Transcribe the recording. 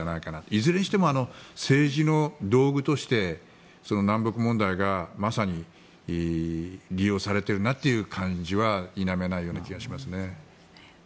いずれにしても政治の道具として南北問題がまさに利用されているなという感じは否めないような気がしますね。